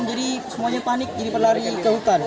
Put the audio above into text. jadi semuanya panik jadi berlari ke hutan